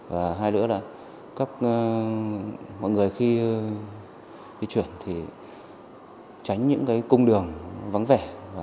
và hai lứa là mọi người khi di chuyển tránh những cung đường vắng vẻ